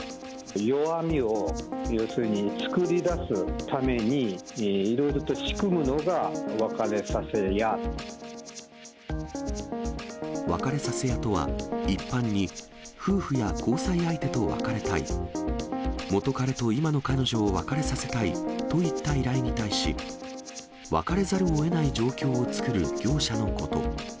弱みを要するに作り出すために、別れさせ屋とは、一般に夫婦や交際相手と別れたい、元彼と今の彼女を別れさせたいといった依頼に対し、別れざるをえない状況を作る業者のこと。